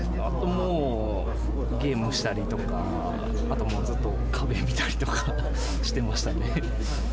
もう、ゲームしたりとか、あともう、ずっと壁を見たりとかしてましたね。